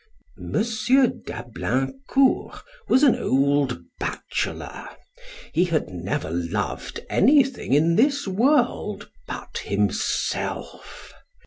M. d'Ablaincourt was an old bachelor; he had never loved anything in this world but himself.